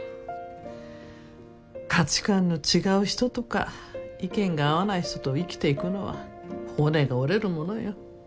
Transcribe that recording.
価値観の違う人とか意見が合わない人と生きていくのは骨が折れるものよ。